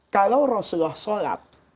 kalau rasulullah sholat